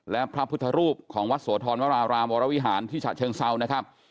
และพระพุทธรูปของวัดโสธรวรารามวรวิหารที่ฉะเชิงเซานะครับ